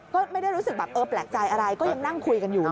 ก็ไม่ได้รู้สึกแบบเออแปลกใจอะไรก็ยังนั่งคุยกันอยู่